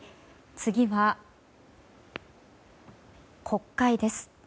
次は国会です。